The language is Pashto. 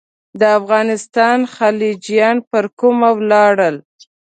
د افغانستان خلجیان پر کومه ولاړل.